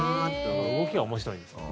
動きが面白いんですね。